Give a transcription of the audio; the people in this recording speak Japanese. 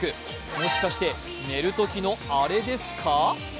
もしかして、寝るときのあれですか？